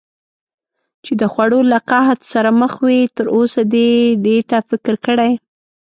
چې د خوړو له قحط سره مخ وي، تراوسه دې دې ته فکر کړی؟